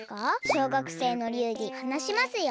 小学生の流儀はなしますよ！